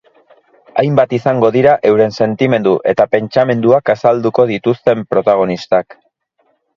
Hainbat izango dira euren sentimendu eta pentsamenduak azalduko dituzten protagonistak.